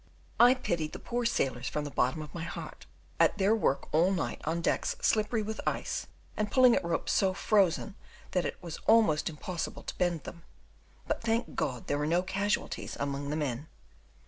I pitied the poor sailors from the bottom of my heart, at their work all night on decks slippery with ice, and pulling at ropes so frozen that it was almost impossible to bend them; but, thank God, there were no casualties among the men.